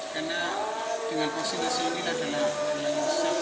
karena dengan vaksinasi ini adalah yang bisa kita mulai lebih lebih untuk mengendalikan pmk